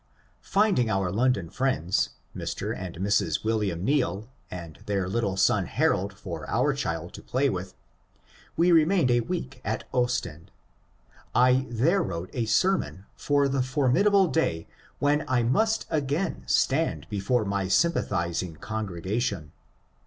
Finding our London friends, Mr. and Mrs. William Neill and their little son Harold for our child to play with, we 14 MONCURE DANIEL CONWAY remained a week at Ostend. I there wrote a sermon for the formidable day when I mast again stand before my sympa> thizing congregation.